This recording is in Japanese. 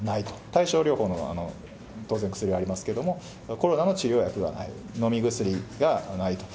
対症療法の当然、薬はありますけれども、コロナの治療薬がない、飲み薬がないと。